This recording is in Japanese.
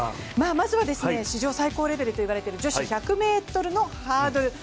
まずは史上最高レベルと言われている女子１００ｍのハードル。